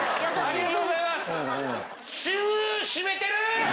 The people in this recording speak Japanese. ありがとうございます！